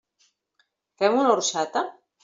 Fem una orxata?